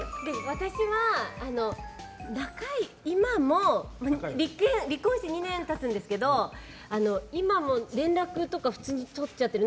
私は今も離婚して２年経つんですけど今も連絡とか普通にとっちゃっている。